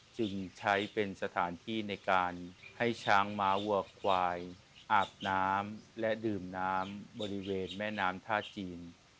จึงใช้เป็นสถานที่ในการให้ช้างม้าวัวควายอาบน้ำและดื่มน้ำบริเวณแม่น้ำท่าจีน